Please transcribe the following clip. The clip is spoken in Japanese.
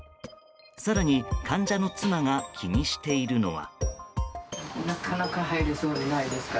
更に患者の妻が気にしているのは。